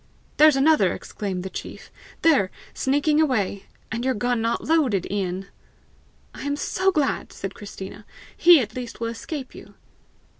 "There's another!" exclaimed the chief; " there, sneaking away! and your gun not loaded, Ian!" "I am so glad!" said Christina. "He at least will escape you!"